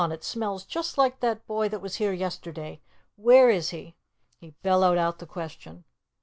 it smells just like that boy that was here yesterday. Where is he?" He bellowed out the question.